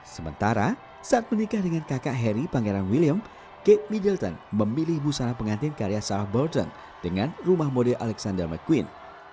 sementara saat menikah dengan kakak harry pangeran william kate middleton memilih busana pengantin karya sarah burton dengan rumah model alexander mcquine